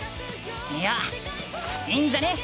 いやいいんじゃね？